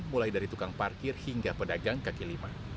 mulai dari tukang parkir hingga pedagang kaki lima